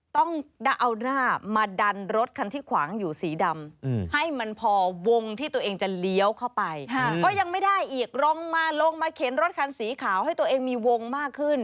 ต้องเอาหน้ามาดันรถคันที่ขวางอยู่สีดำ